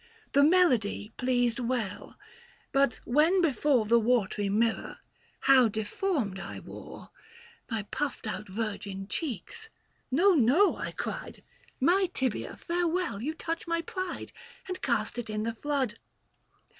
The melody pleased well ; but when before 845 The watery mirror, how deformed I wore 204 THE FASTI. Book VI. My puffed out virgin cheeks, ' No, no/ I cried ;* My tibia, farewell, you touch my pride —' And cast it in the flood.